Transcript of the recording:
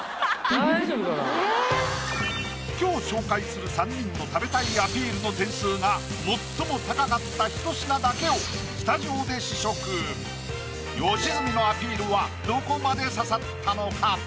今日紹介する３人の食べたいアピールの点数が最も高かったひと品だけをスタジオで試食良純のアピールはどこまで刺さったのか？